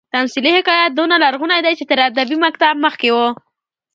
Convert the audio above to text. تمثيلي حکایت دونه لرغونى دئ، چي تر ادبي مکتب مخکي وو.